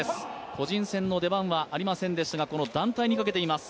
個人戦の出番はありませんでしたがこの団体にかけています。